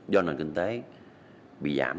do nền kinh tế bị giảm